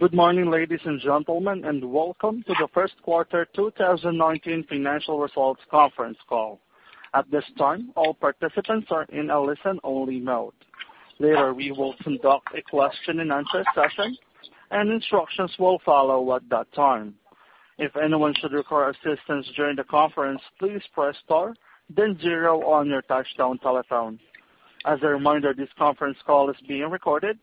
Good morning, ladies and gentlemen. Welcome to the first quarter 2019 financial results conference call. At this time, all participants are in a listen-only mode. Later, we will conduct a question and answer session. Instructions will follow at that time. If anyone should require assistance during the conference, please press star then zero on your touchtone telephone. As a reminder, this conference call is being recorded.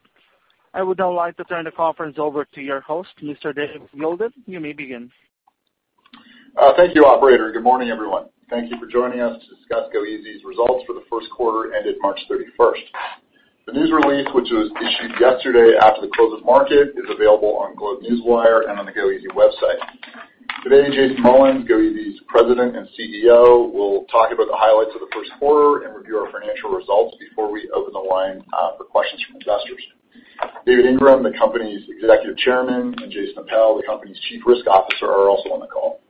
I would now like to turn the conference over to your host, Mr. David Wilden. You may begin. Thank you, operator. Good morning, everyone. Thank you for joining us to discuss goeasy's results for the first quarter ended March 31st. The news release, which was issued yesterday after the close of market, is available on GlobeNewswire and on the goeasy website. Today, Jason Mullins, goeasy's President and Chief Executive Officer, will talk about the highlights of the first quarter and review our financial results before we open the line for questions from investors. David Ingram, the company's Executive Chairman, and Jason Appel, the company's Chief Risk Officer, are also on the call.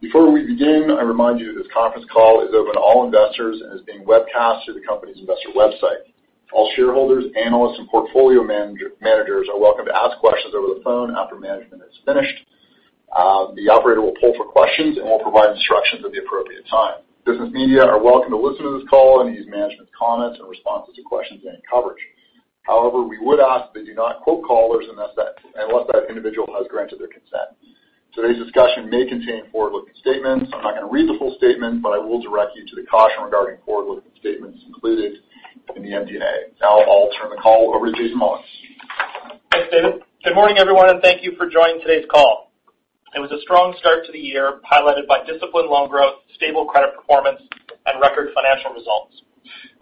Before we begin, I remind you this conference call is open to all investors and is being webcast through the company's investor website. All shareholders, analysts, and portfolio managers are welcome to ask questions over the phone after management has finished. The operator will poll for questions and will provide instructions at the appropriate time. Business media are welcome to listen to this call and use management's comments and responses to questions in any coverage. We would ask that you not quote callers unless that individual has granted their consent. Today's discussion may contain forward-looking statements. I'm not going to read the full statement, but I will direct you to the caution regarding forward-looking statements included in the MD&A. I'll turn the call over to Jason Mullins. Thanks, David. Good morning, everyone. Thank you for joining today's call. It was a strong start to the year, piloted by disciplined loan growth, stable credit performance, and record financial results.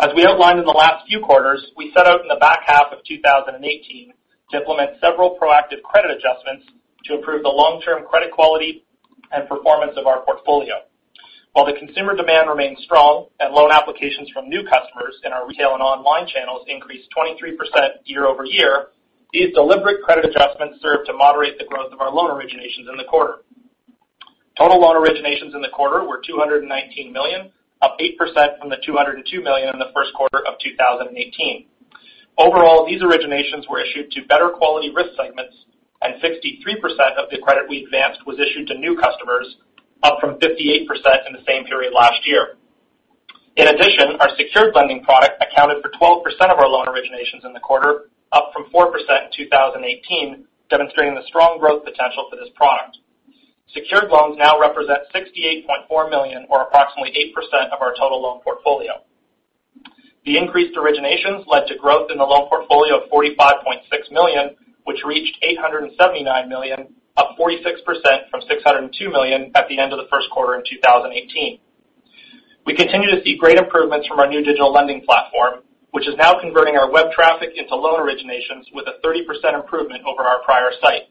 As we outlined in the last few quarters, we set out in the back half of 2018 to implement several proactive credit adjustments to improve the long-term credit quality and performance of our portfolio. While the consumer demand remains strong and loan applications from new customers in our retail and online channels increased 23% year-over-year, these deliberate credit adjustments served to moderate the growth of our loan originations in the quarter. Total loan originations in the quarter were 219 million, up 8% from the 202 million in the first quarter of 2018. Overall, these originations were issued to better quality risk segments, 63% of the credit we advanced was issued to new customers, up from 58% in the same period last year. In addition, our secured lending product accounted for 12% of our loan originations in the quarter, up from 4% in 2018, demonstrating the strong growth potential for this product. Secured loans now represent 68.4 million, or approximately 8% of our total loan portfolio. The increased originations led to growth in the loan portfolio of CAD 45.6 million, which reached CAD 879 million, up 46% from CAD 602 million at the end of the first quarter in 2018. We continue to see great improvements from our new digital lending platform, which is now converting our web traffic into loan originations with a 30% improvement over our prior site.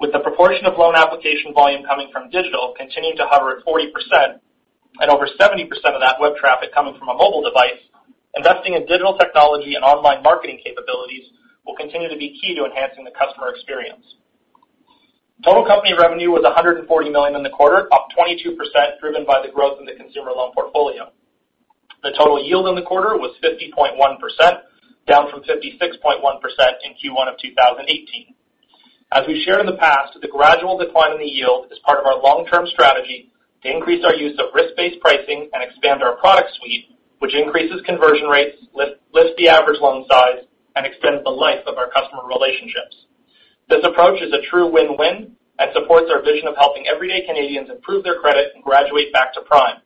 With the proportion of loan application volume coming from digital continuing to hover at 40%, and over 70% of that web traffic coming from a mobile device, investing in digital technology and online marketing capabilities will continue to be key to enhancing the customer experience. Total company revenue was 140 million in the quarter, up 22%, driven by the growth in the consumer loan portfolio. The total yield in the quarter was 50.1%, down from 56.1% in Q1 of 2018. As we've shared in the past, the gradual decline in the yield is part of our long-term strategy to increase our use of risk-based pricing and expand our product suite, which increases conversion rates, lifts the average loan size, and extends the life of our customer relationships. This approach is a true win-win and supports our vision of helping everyday Canadians improve their credit and graduate back to Prime.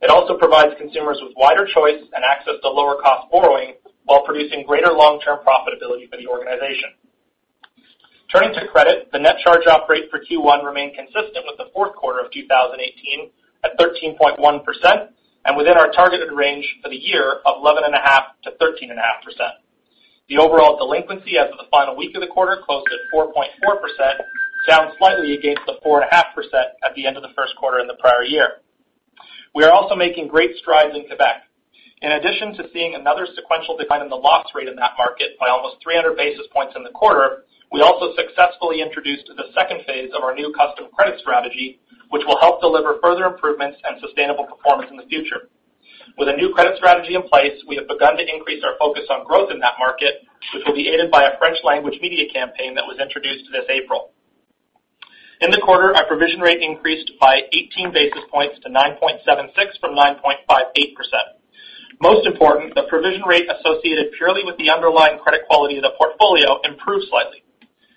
It also provides consumers with wider choice and access to lower cost borrowing while producing greater long-term profitability for the organization. Turning to credit, the net charge-off rate for Q1 remained consistent with the fourth quarter of 2018 at 13.1%, and within our targeted range for the year of 11.5%-13.5%. The overall delinquency as of the final week of the quarter closed at 4.4%, down slightly against the 4.5% at the end of the first quarter in the prior year. We are also making great strides in Quebec. In addition to seeing another sequential decline in the loss rate in that market by almost 300 basis points in the quarter, we also successfully introduced the second phase of our new custom credit strategy, which will help deliver further improvements and sustainable performance in the future. With a new credit strategy in place, we have begun to increase our focus on growth in that market, which will be aided by a French language media campaign that was introduced this April. In the quarter, our provision rate increased by 18 basis points to 9.76% from 9.58%. Most important, the provision rate associated purely with the underlying credit quality of the portfolio improved slightly.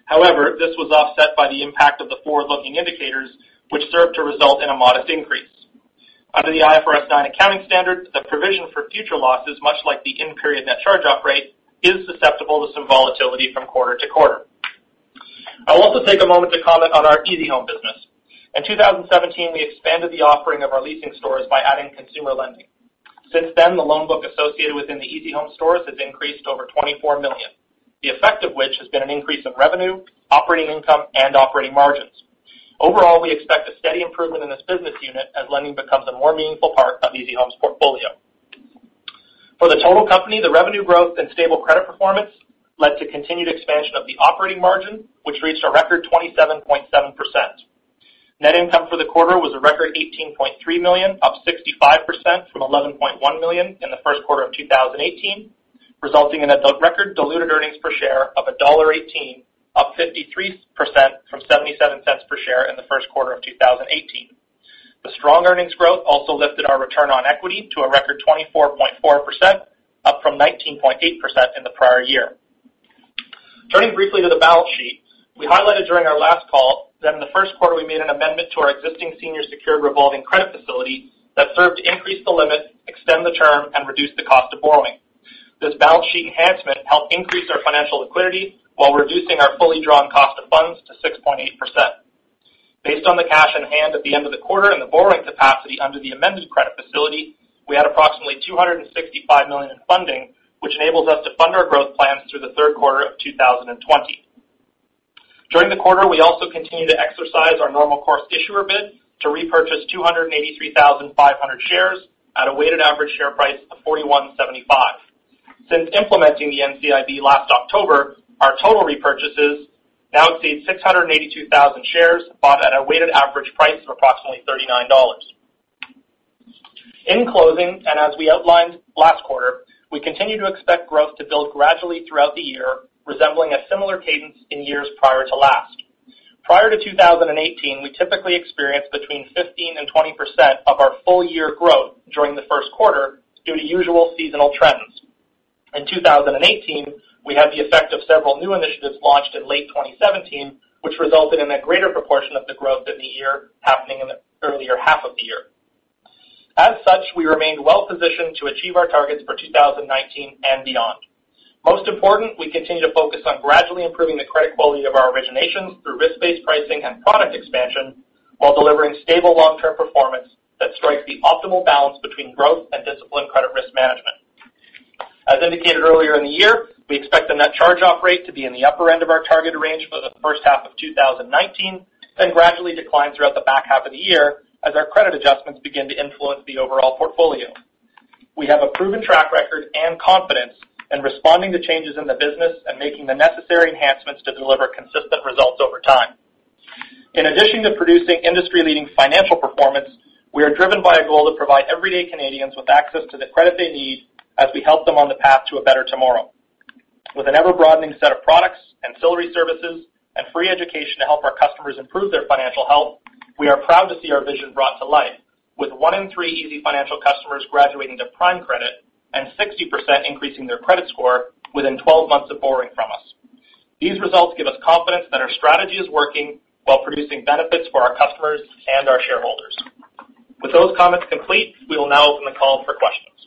However, this was offset by the impact of the forward-looking indicators, which served to result in a modest increase. Under the IFRS 9 accounting standard, the provision for future losses, much like the in-period net charge-off rate, is susceptible to some volatility from quarter to quarter. I will also take a moment to comment on our easyhome business. In 2017, we expanded the offering of our leasing stores by adding consumer lending. Since then, the loan book associated within the easyhome stores has increased over 24 million, the effect of which has been an increase in revenue, operating income, and operating margins. Overall, we expect a steady improvement in this business unit as lending becomes a more meaningful part of easyhome's portfolio. For the total company, the revenue growth and stable credit performance led to continued expansion of the operating margin, which reached a record 27.7%. Net income for the quarter was a record 18.3 million, up 65% from 11.1 million in the first quarter of 2018, resulting in a record diluted earnings per share of CAD 1.18, up 53% from 0.77 per share in the first quarter of 2018. The strong earnings growth also lifted our return on equity to a record 24.4%, up from 19.8% in the prior year. Turning briefly to the balance sheet, we highlighted during our last call that in the first quarter we made an amendment to our existing senior secured revolving credit facility that served to increase the limit, extend the term, and reduce the cost of borrowing. This balance sheet enhancement helped increase our financial liquidity while reducing our fully drawn cost of funds to 6.8%. Based on the cash on hand at the end of the quarter and the borrowing capacity under the amended credit facility, we had approximately 265 million in funding, which enables us to fund our growth plans through the third quarter of 2020. During the quarter, we also continued to exercise our normal course issuer bid to repurchase 283,500 shares at a weighted average share price of CAD 41.75. Since implementing the NCIB last October, our total repurchases now exceed 682,000 shares bought at a weighted average price of approximately 39 dollars. In closing, as we outlined last quarter, we continue to expect growth to build gradually throughout the year, resembling a similar cadence in years prior to last. Prior to 2018, we typically experienced between 15%-20% of our full-year growth during the first quarter due to usual seasonal trends. In 2018, we had the effect of several new initiatives launched in late 2017, which resulted in a greater proportion of the growth in the year happening in the earlier half of the year. As such, we remained well-positioned to achieve our targets for 2019 and beyond. Most important, we continue to focus on gradually improving the credit quality of our originations through risk-based pricing and product expansion while delivering stable long-term performance that strikes the optimal balance between growth and disciplined credit risk management. As indicated earlier in the year, we expect the net charge-off rate to be in the upper end of our target range for the first half of 2019, gradually decline throughout the back half of the year as our credit adjustments begin to influence the overall portfolio. We have a proven track record and confidence in responding to changes in the business and making the necessary enhancements to deliver consistent results over time. In addition to producing industry-leading financial performance, we are driven by a goal to provide everyday Canadians with access to the credit they need as we help them on the path to a better tomorrow. With an ever-broadening set of products, ancillary services, and free education to help our customers improve their financial health, we are proud to see our vision brought to life with one in three easyfinancial customers graduating to prime credit and 60% increasing their credit score within 12 months of borrowing from us. These results give us confidence that our strategy is working while producing benefits for our customers and our shareholders. With those comments complete, we will now open the call for questions.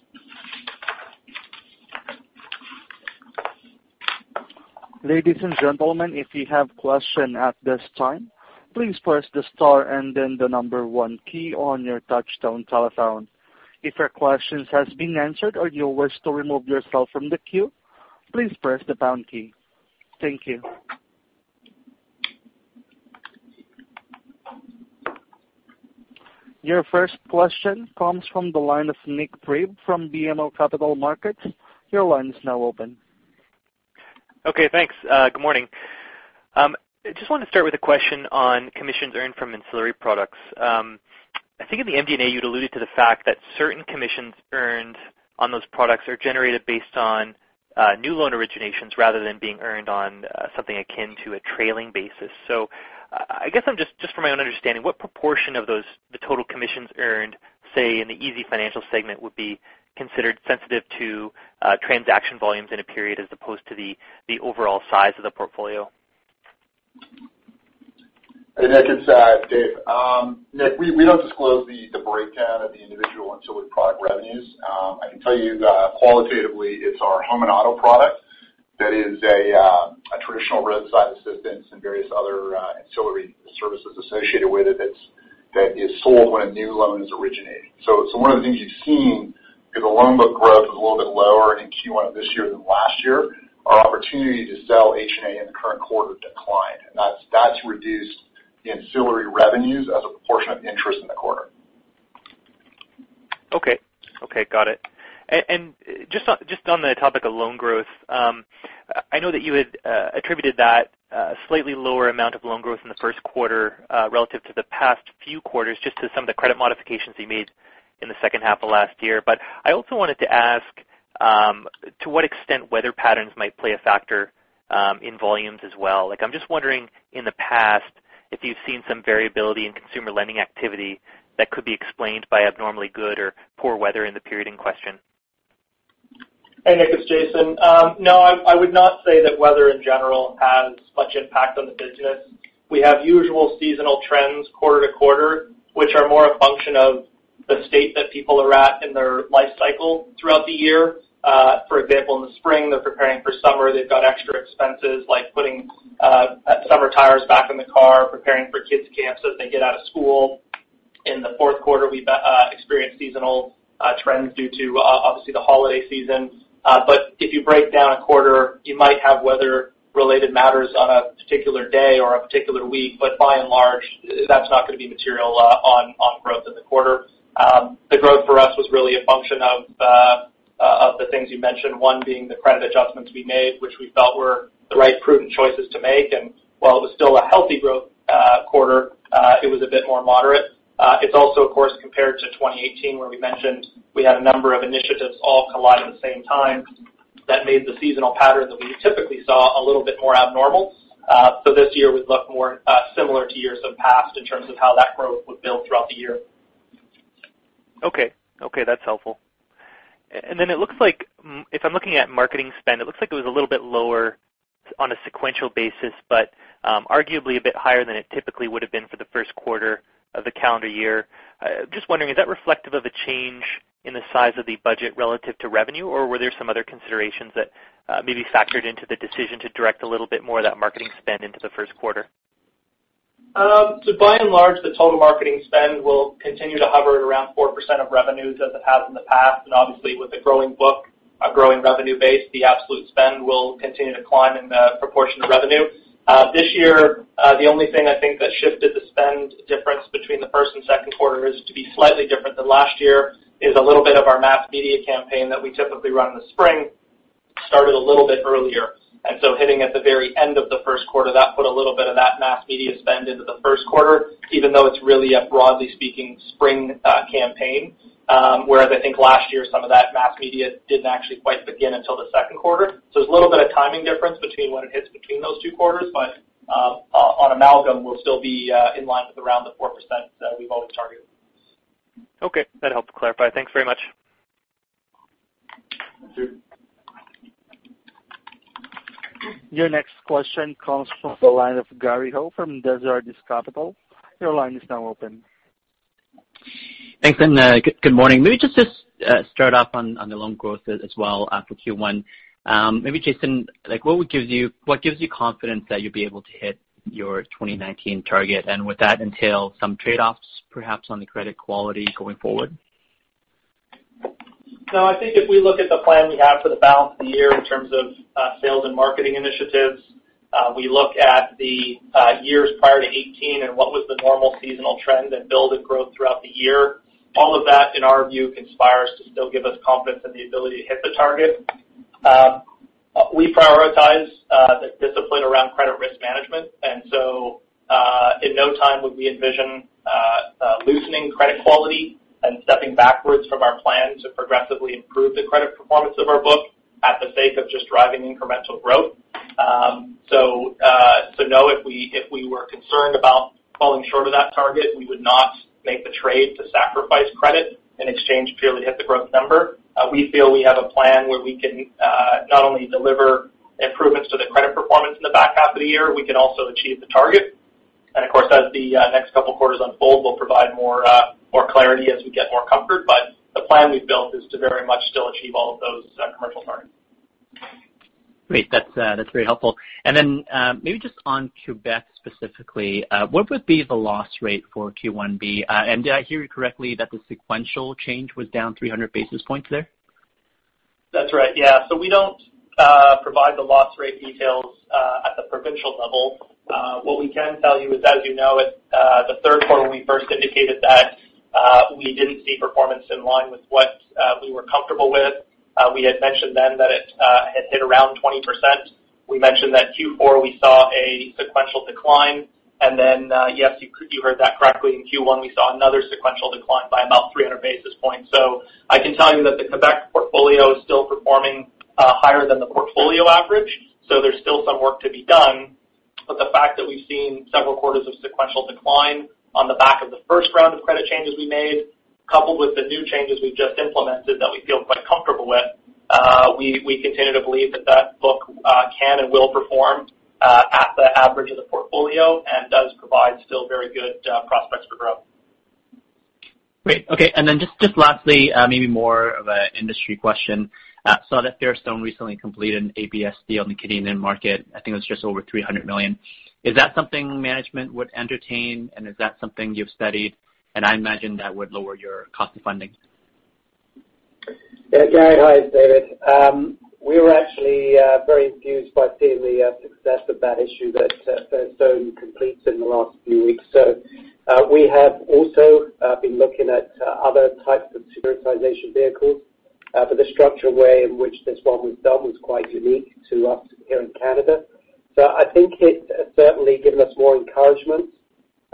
Ladies and gentlemen, if you have a question at this time, please press the star and then the number 1 key on your touchtone telephone. If your question has been answered or you wish to remove yourself from the queue, please press the pound key. Thank you. Your first question comes from the line of Nick Priebe from BMO Capital Markets. Your line is now open. Okay, thanks. Good morning. I just want to start with a question on commissions earned from ancillary products. I think in the MD&A, you'd alluded to the fact that certain commissions earned on those products are generated based on new loan originations rather than being earned on something akin to a trailing basis. I guess just for my own understanding, what proportion of the total commissions earned, say, in the easyfinancial segment, would be considered sensitive to transaction volumes in a period as opposed to the overall size of the portfolio? Hey, Nick, it's Dave. Nick, we don't disclose the breakdown of the individual ancillary product revenues. I can tell you that qualitatively it's our home and auto product that is a traditional roadside assistance and various other ancillary services associated with it that is sold when a new loan is originated. One of the things you've seen is the loan book growth was a little bit lower in Q1 of this year than last year. Our opportunity to sell H&A in the current quarter declined, and that's reduced the ancillary revenues as a proportion of interest in the quarter. Okay. Got it. Just on the topic of loan growth, I know that you had attributed that slightly lower amount of loan growth in the first quarter relative to the past few quarters just to some of the credit modifications you made in the second half of last year. I also wanted to ask to what extent weather patterns might play a factor in volumes as well. I'm just wondering, in the past, if you've seen some variability in consumer lending activity that could be explained by abnormally good or poor weather in the period in question. Hey, Nick, it's Jason. I would not say that weather in general has much impact on the business. We have usual seasonal trends quarter to quarter, which are more a function of the state that people are at in their life cycle throughout the year. For example, in the spring, they're preparing for summer. They've got extra expenses like putting summer tires back in the car, preparing for kids' camps as they get out of school. In the fourth quarter, we experience seasonal trends due to, obviously, the holiday season. If you break down a quarter, you might have weather-related matters on a particular day or a particular week. By and large, that's not going to be material on growth in the quarter. The growth for us was really a function of things you mentioned, one being the credit adjustments we made, which we felt were the right prudent choices to make. While it was still a healthy growth quarter, it was a bit more moderate. It's also, of course, compared to 2018, where we mentioned we had a number of initiatives all collide at the same time that made the seasonal pattern that we typically saw a little bit more abnormal. This year would look more similar to years of past in terms of how that growth would build throughout the year. Okay. That's helpful. Then it looks like if I'm looking at marketing spend, it looks like it was a little bit lower on a sequential basis, arguably a bit higher than it typically would've been for the first quarter of the calendar year. Just wondering, is that reflective of a change in the size of the budget relative to revenue, or were there some other considerations that maybe factored into the decision to direct a little bit more of that marketing spend into the first quarter? By and large, the total marketing spend will continue to hover at around 4% of revenues as it has in the past. Obviously, with the growing book, a growing revenue base, the absolute spend will continue to climb in the proportion of revenue. This year, the only thing I think that shifted the spend difference between the first and second quarter is to be slightly different than last year is a little bit of our mass media campaign that we typically run in the spring, started a little bit earlier. Hitting at the very end of the first quarter, that put a little bit of that mass media spend into the first quarter, even though it's really a broadly speaking spring campaign. Whereas I think last year some of that mass media didn't actually quite begin until the second quarter. There's a little bit of timing difference between when it hits between those two quarters. On amalgam, we'll still be in line with around the 4% that we've always targeted. Okay. That helped clarify. Thanks very much. Sure. Your next question comes from the line of Gary Ho from Desjardins Capital Markets. Your line is now open. Thanks, good morning. Maybe just to start off on the loan growth as well after Q1. Maybe Jason, what gives you confidence that you will be able to hit your 2019 target? Would that entail some trade-offs perhaps on the credit quality going forward? No, I think if we look at the plan we have for the balance of the year in terms of sales and marketing initiatives, we look at the years prior to 2018 and what was the normal seasonal trend and build and growth throughout the year. All of that, in our view, conspires to still give us confidence in the ability to hit the target. We prioritize the discipline around credit risk management. In no time would we envision loosening credit quality and stepping backwards from our plan to progressively improve the credit performance of our book at the sake of just driving incremental growth. No, if we were concerned about falling short of that target, we would not make the trade to sacrifice credit in exchange to purely hit the growth number. We feel we have a plan where we can not only deliver improvements to the credit performance in the back half of the year, we can also achieve the target. Of course, as the next couple of quarters unfold, we will provide more clarity as we get more comfort. The plan we have built is to very much still achieve all of those commercial targets. Great. That is very helpful. Maybe just on Quebec specifically, what would be the loss rate for Q1B? Did I hear you correctly that the sequential change was down 300 basis points there? That's right. We don't provide the loss rate details at the provincial level. What we can tell you is, as you know, at the third quarter, we first indicated that we didn't see performance in line with what we were comfortable with. We had mentioned then that it had hit around 20%. We mentioned that Q4 we saw a sequential decline. Then, yes, you heard that correctly. In Q1, we saw another sequential decline by about 300 basis points. I can tell you that the Quebec portfolio is still performing higher than the portfolio average. There's still some work to be done. The fact that we've seen several quarters of sequential decline on the back of the first round of credit changes we made, coupled with the new changes we've just implemented that we feel quite comfortable with, we continue to believe that that book can and will perform at the average of the portfolio and does provide still very good prospects for growth. Great. Okay. Just lastly, maybe more of an industry question. Saw that Fairstone recently completed an ABS deal in the Canadian market. I think it was just over 300 million. Is that something management would entertain, is that something you've studied? I imagine that would lower your cost of funding. Gary. Hi, it's David. We were actually very enthused by seeing the success of that issue that Fairstone completes in the last few weeks. We have also been looking at other types of securitization vehicles. The structure way in which this one was done was quite unique to us here in Canada. I think it's certainly given us more encouragement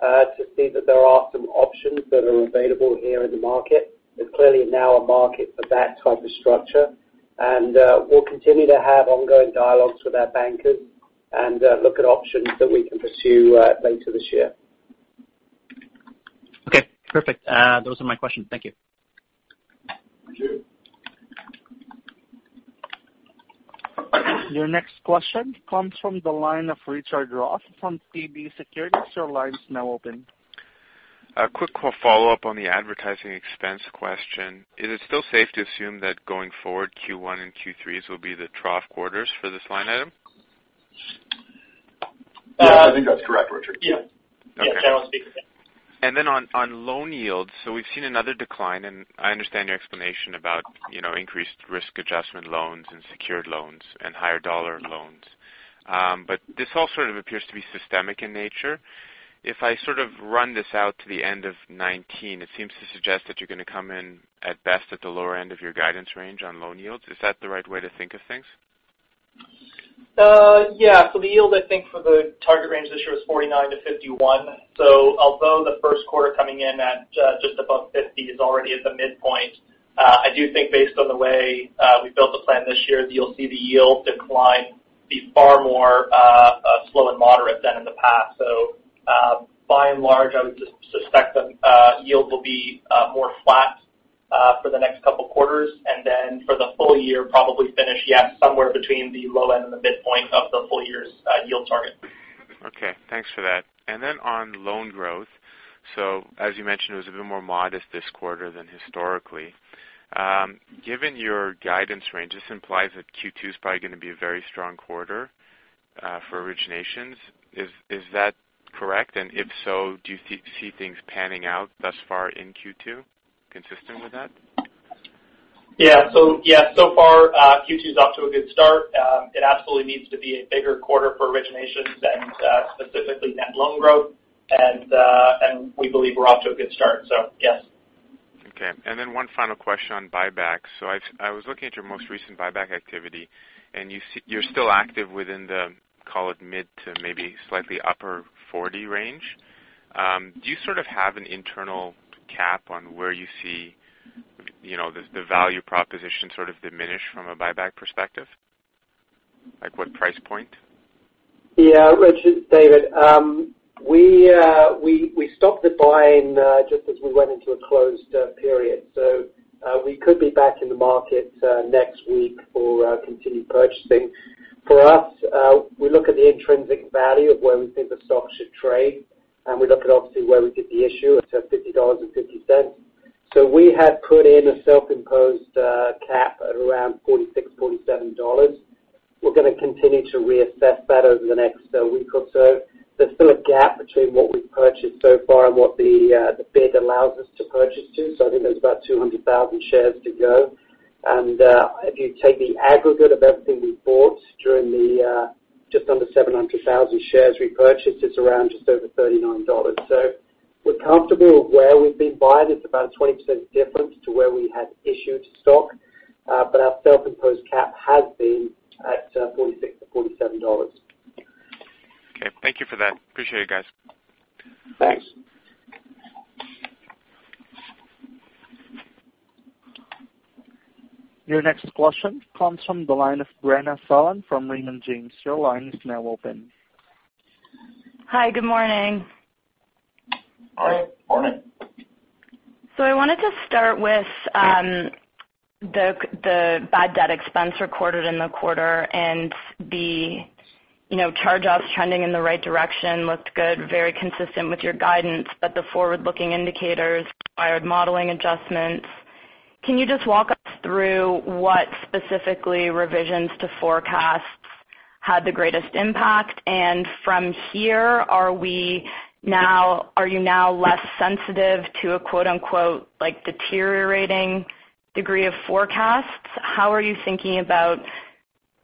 to see that there are some options that are available here in the market. There's clearly now a market for that type of structure. We'll continue to have ongoing dialogues with our bankers and look at options that we can pursue later this year. Okay, perfect. Those are my questions. Thank you. Thank you. Your next question comes from the line of Richard Ross from TD Securities. Your line is now open. A quick follow-up on the advertising expense question. Is it still safe to assume that going forward, Q1 and Q3s will be the trough quarters for this line item? Yes, I think that's correct, Richard. Yeah. Yeah. I would speak the same. On loan yields. We've seen another decline, and I understand your explanation about increased risk adjustment loans and secured loans and higher dollar loans. This all sort of appears to be systemic in nature. If I sort of run this out to the end of 2019, it seems to suggest that you're going to come in at best at the lower end of your guidance range on loan yields. Is that the right way to think of things? Yeah. The yield, I think, for the target range this year is 49%-51%. Although the first quarter coming in at just above 50% is already at the midpoint, I do think based on the way we built the plan this year, you'll see the yield decline be far more slow and moderate than in the past. By and large, I would suspect the yield will be more flat for the next couple quarters, and then for the full year, probably finish, yeah, somewhere between the low end and the midpoint of the full year's yield target. Okay. Thanks for that. On loan growth. As you mentioned, it was a bit more modest this quarter than historically. Given your guidance range, this implies that Q2 is probably going to be a very strong quarter for originations. Is that correct? If so, do you see things panning out thus far in Q2 consistent with that? Yeah. So far, Q2 is off to a good start. It absolutely needs to be a bigger quarter for originations and specifically net loan growth. We believe we're off to a good start, so yes. Okay. One final question on buybacks. I was looking at your most recent buyback activity, and you're still active within the, call it mid to maybe slightly upper 40 range. Do you sort of have an internal cap on where you see the value proposition sort of diminish from a buyback perspective? Like what price point? Yeah. Richard, David. We stopped the buying just as we went into a closed period. We could be back in the market next week for continued purchasing. For us, we look at the intrinsic value of where we think the stock should trade, and we look at, obviously, where we did the issue. It's at 50.50 dollars. We had put in a self-imposed cap at around 46, 47 dollars. We're going to continue to reassess that over the next week or so. There's still a gap between what we've purchased so far and what the bid allows us to purchase to. I think there's about 200,000 shares to go. If you take the aggregate of everything we've bought during the just under 700,000 shares repurchased is around just over 39 dollars. We're comfortable with where we've been buying. It's about a 20% difference to where we had issued stock. Our self-imposed cap has been at 46-47 dollars. Okay. Thank you for that. Appreciate it, guys. Thanks. Your next question comes from the line of Brenna Fallon from Raymond James. Your line is now open. Hi, good morning. Hi. Morning. I wanted to start with the bad debt expense recorded in the quarter. The charge-offs trending in the right direction looked good, very consistent with your guidance, but the forward-looking indicators required modeling adjustments. Can you just walk us through what specifically revisions to forecasts had the greatest impact? From here, are you now less sensitive to a quote-unquote, "deteriorating degree of forecasts"? How are you thinking about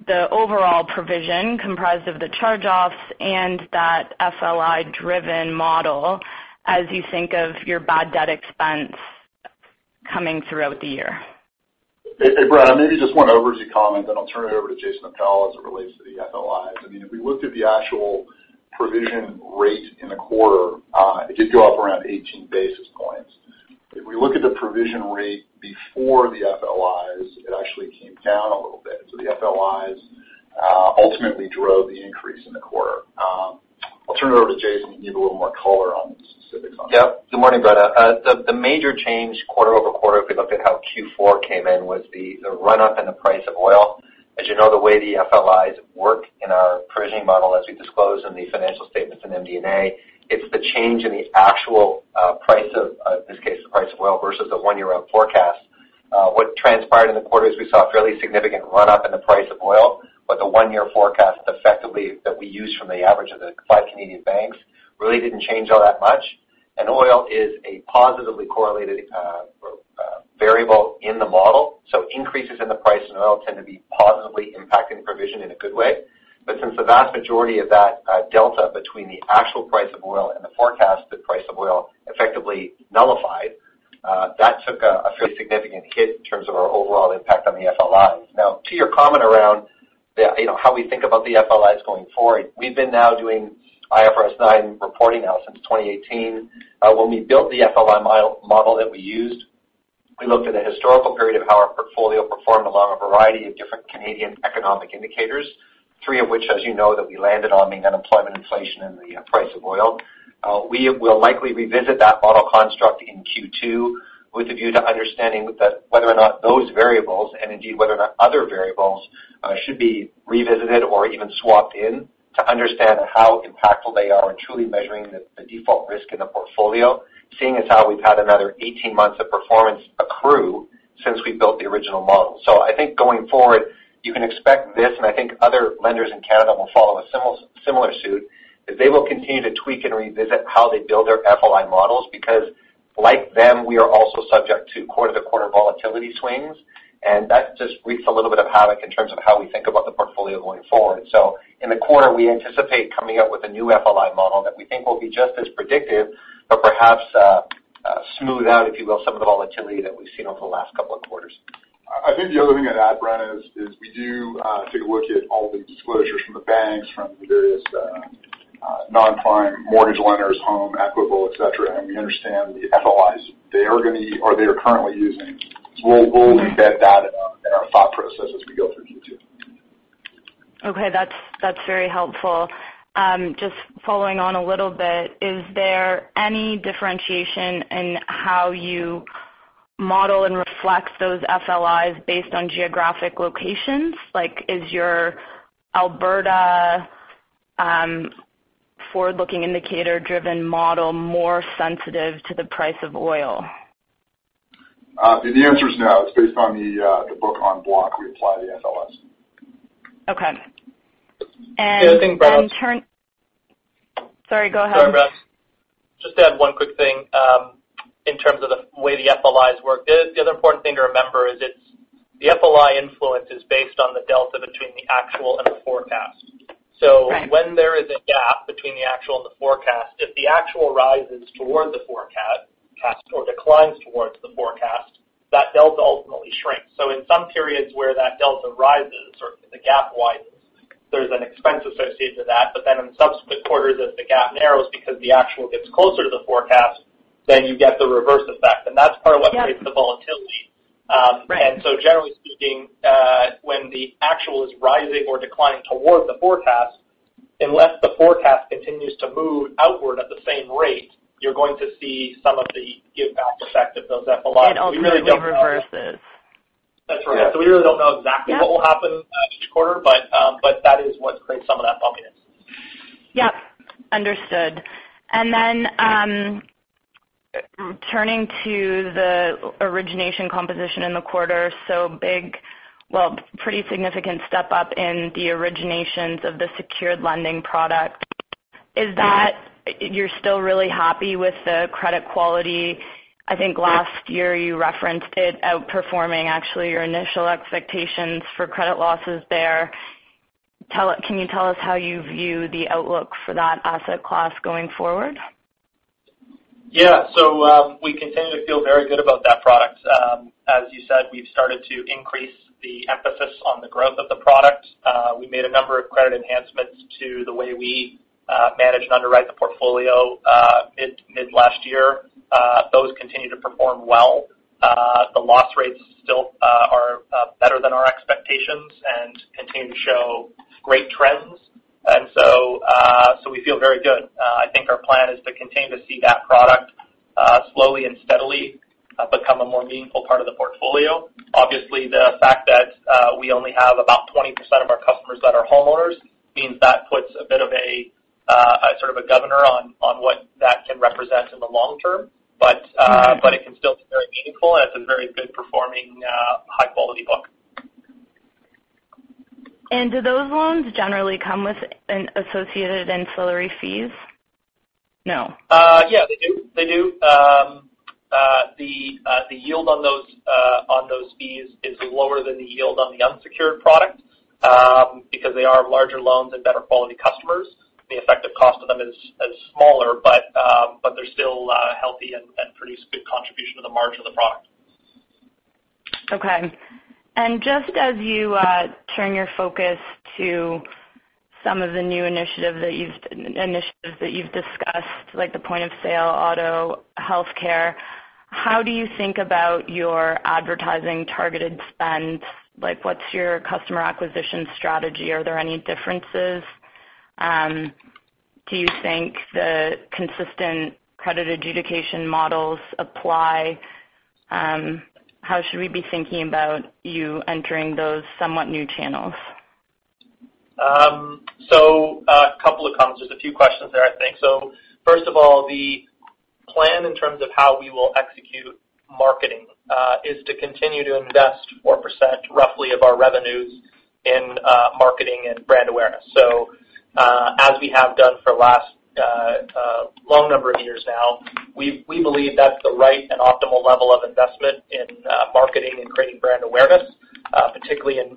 the overall provision comprised of the charge-offs and that FLI-driven model as you think of your bad debt expense coming throughout the year? Hey, Brenna. Maybe just one overview comment, then I'll turn it over to Jason Appel as it relates to the FLIs. If we looked at the actual provision rate in the quarter, it did go up around 18 basis points. If we look at the provision rate before the FLIs, it actually came down a little bit. The FLIs ultimately drove the increase in the quarter. I'll turn it over to Jason to give a little more color on the specifics on that. Yep. Good morning, Brenna. The major change quarter-over-quarter, if we look at how Q4 came in, was the run-up in the price of oil. As you know, the way the FLIs work in our provisioning model, as we disclose in the financial statements in MD&A, it's the change in the actual price of, in this case, the price of oil versus the one-year-out forecast. What transpired in the quarter is we saw a fairly significant run-up in the price of oil, but the one-year forecast effectively that we use from the average of the five Canadian banks really didn't change all that much. Oil is a positively correlated variable in the model. Increases in the price of oil tend to be positively impacting provision in a good way. Since the vast majority of that delta between the actual price of oil and the forecasted price of oil effectively nullified, that took a fairly significant hit in terms of our overall impact on the FLIs. Now, to your comment around how we think about the FLIs going forward, we've been now doing IFRS 9 reporting now since 2018. When we built the FLI model that we used, we looked at a historical period of how our portfolio performed along a variety of different Canadian economic indicators, three of which, as you know, that we landed on being unemployment, inflation, and the price of oil. We will likely revisit that model construct in Q2 with a view to understanding whether or not those variables, and indeed whether or not other variables should be revisited or even swapped in to understand how impactful they are in truly measuring the default risk in the portfolio, seeing as how we've had another 18 months of performance accrue since we built the original model. I think going forward, you can expect this, and I think other lenders in Canada will follow a similar suit, that they will continue to tweak and revisit how they build their FLI models because. Like them, we are also subject to quarter-to-quarter volatility swings, and that just wreaks a little bit of havoc in terms of how we think about the portfolio going forward. In the quarter, we anticipate coming up with a new FLI model that we think will be just as predictive, but perhaps smooth out, if you will, some of the volatility that we've seen over the last couple of quarters. I think the other thing I'd add, Brenna, is we do take a look at all the disclosures from the banks, from the various non-prime mortgage lenders, Home Capital, et cetera, and we understand the FLIs they are currently using. We'll embed that in our thought process as we go through Q2. Okay, that's very helpful. Just following on a little bit, is there any differentiation in how you model and reflect those FLIs based on geographic locations? Like, is your Alberta forward-looking indicator-driven model more sensitive to the price of oil? The answer is no. It's based on the book on block, we apply the FLIs. Okay. Yeah, I think, Brenna. Sorry, go ahead. Sorry, Brenna. Just to add one quick thing in terms of the way the FLIs work. The other important thing to remember is the FLI influence is based on the delta between the actual and the forecast. Right. When there is a gap between the actual and the forecast, if the actual rises towards the forecast or declines towards the forecast, that delta ultimately shrinks. In some periods where that delta rises or the gap widens, there is an expense associated to that. Then in subsequent quarters, as the gap narrows because the actual gets closer to the forecast, then you get the reverse effect. That is part of what creates the volatility. Right. Generally speaking, when the actual is rising or declining towards the forecast, unless the forecast continues to move outward at the same rate, you are going to see some of the give-back effect of those FLIs. We really do not know. It ultimately reverses. That's right. Yeah. We really don't know exactly what will happen each quarter, but that is what creates some of that bumpiness. Yep. Understood. Then, turning to the origination composition in the quarter, so pretty significant step up in the originations of the secured lending product. You're still really happy with the credit quality. I think last year you referenced it outperforming actually your initial expectations for credit losses there. Can you tell us how you view the outlook for that asset class going forward? Yeah. We continue to feel very good about that product. As you said, we've started to increase the emphasis on the growth of the product. We made a number of credit enhancements to the way we manage and underwrite the portfolio mid last year. Those continue to perform well. The loss rates still are better than our expectations and continue to show great trends. We feel very good. I think our plan is to continue to see that product slowly and steadily become a more meaningful part of the portfolio. Obviously, the fact that we only have about 20% of our customers that are homeowners means that puts a bit of a governor on what that can represent in the long term. But. Right It can still be very meaningful, and it's a very good-performing, high-quality book. Do those loans generally come with associated ancillary fees? No. Yeah, they do. The yield on those fees is lower than the yield on the unsecured product. Because they are larger loans and better quality customers, the effective cost of them is smaller, but they're still healthy and produce good contribution to the margin of the product. Okay. Just as you turn your focus to some of the new initiatives that you've discussed, like the point-of-sale, auto, healthcare, how do you think about your advertising targeted spend? What's your customer acquisition strategy? Are there any differences? Do you think the consistent credit adjudication models apply? How should we be thinking about you entering those somewhat new channels? A couple of comments. There's a few questions there, I think. First of all, the plan in terms of how we will execute marketing is to continue to invest 4%, roughly, of our revenues in marketing and brand awareness. As we have done for the last long number of years now, we believe that's the right and optimal level of investment in marketing and creating brand awareness, particularly in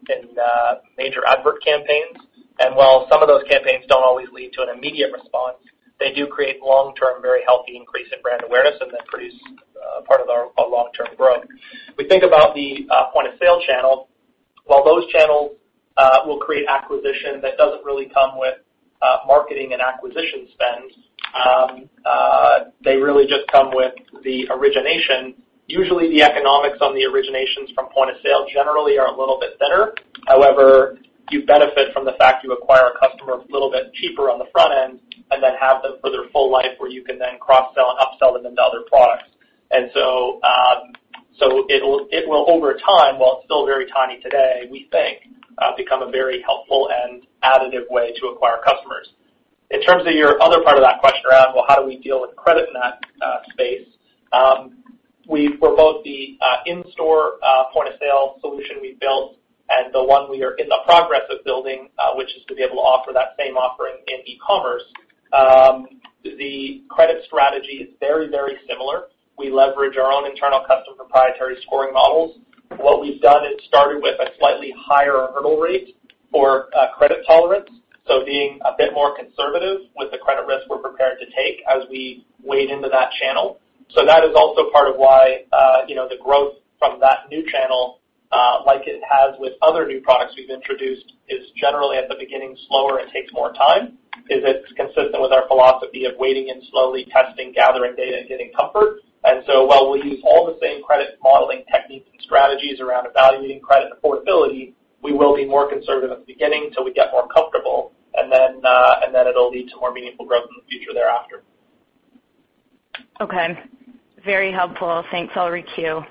major advert campaigns. While some of those campaigns don't always lead to an immediate response, they do create long-term, very healthy increase in brand awareness, and then produce part of our long-term growth. We think about the point-of-sale channel. While those channels will create acquisition, that doesn't really come with marketing and acquisition spends. They really just come with the origination. Usually, the economics on the originations from point-of-sale generally are a little bit thinner. However, you benefit from the fact you acquire a customer a little bit cheaper on the front end and then have them for their full life, where you can then cross-sell and up-sell them into other products. It will over time, while it's still very tiny today, we think become a very helpful and additive way to acquire customers. In terms of your other part of that question around, well, how do we deal with credit in that space? We promote the in-store point-of-sale solution we built and the one we are in the progress of building, which is to be able to offer that same offering in e-commerce. The credit strategy is very similar. We leverage our own internal custom proprietary scoring models. What we've done is started with a slightly higher hurdle rate for credit tolerance, being a bit more conservative with the credit risk we're prepared to take as we wade into that channel. That is also part of why the growth from that new channel, like it has with other new products we've introduced, is generally at the beginning slower and takes more time, is it's consistent with our philosophy of wading in slowly, testing, gathering data, and getting comfort. While we use all the same credit modeling techniques and strategies around evaluating credit affordability, we will be more conservative at the beginning till we get more comfortable. Then it'll lead to more meaningful growth in the future thereafter. Okay. Very helpful. Thanks. I'll requeue.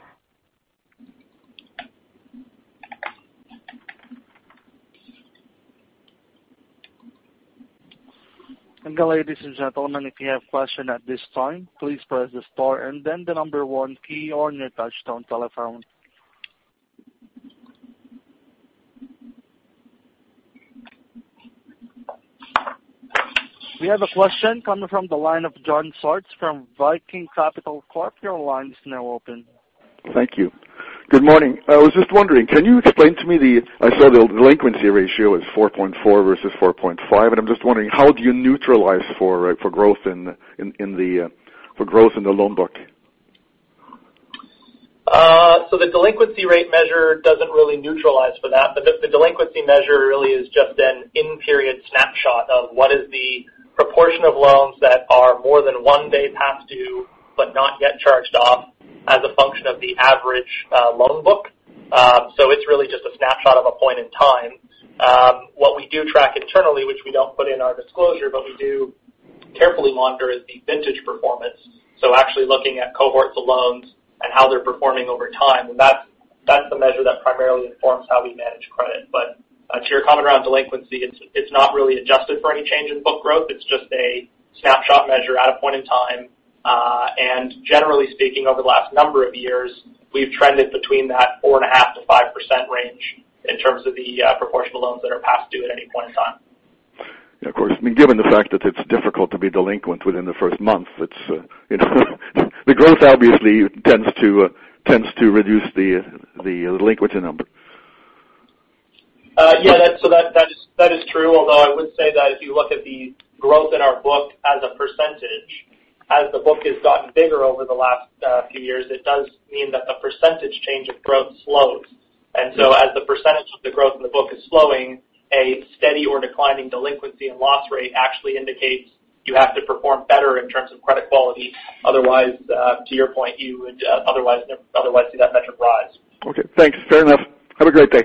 Ladies and gentlemen, if you have question at this time, please press the star and then the number one key on your touchtone telephone. We have a question coming from the line of John Sartz from Viking Capital Corp. Your line is now open. Thank you. Good morning. I was just wondering, can you explain to me the I saw the delinquency ratio is 4.4 versus 4.5, I'm just wondering how do you neutralize for growth in the loan book? The delinquency rate measure doesn't really neutralize for that. The delinquency measure really is just an in-period snapshot of what is the proportion of loans that are more than one day past due but not yet charged off as a function of the average loan book. It's really just a snapshot of a point in time. What we do track internally, which we don't put in our disclosure, but we do carefully monitor, is the vintage performance. Actually looking at cohorts of loans and how they're performing over time. That's the measure that primarily informs how we manage credit. To your comment around delinquency, it's not really adjusted for any change in book growth. It's just a snapshot measure at a point in time. Generally speaking, over the last number of years, we've trended between that 4.5%-5% range in terms of the proportion of loans that are past due at any point in time. Yeah, of course. Given the fact that it's difficult to be delinquent within the first month, the growth obviously tends to reduce the delinquency number. Yeah. That is true. Although I would say that if you look at the growth in our book as a percentage, as the book has gotten bigger over the last few years, it does mean that the percentage change of growth slows. As the percentage of the growth in the book is slowing, a steady or declining delinquency and loss rate actually indicates you have to perform better in terms of credit quality. Otherwise, to your point, you would otherwise see that metric rise. Okay. Thanks. Fair enough. Have a great day.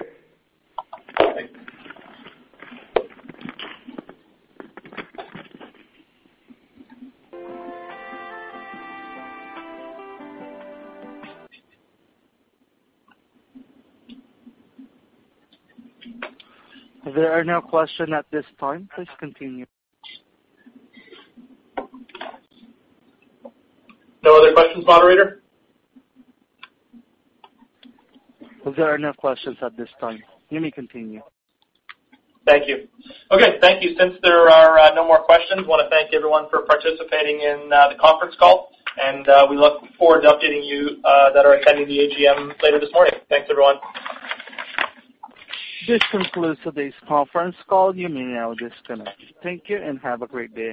Thanks. If there are no questions at this time, please continue. No other questions, moderator? If there are no questions at this time, you may continue. Thank you. Okay. Thank you. Since there are no more questions, I want to thank everyone for participating in the conference call, and we look forward to updating you that are attending the AGM later this morning. Thanks, everyone. This concludes today's conference call. You may now disconnect. Thank you and have a great day.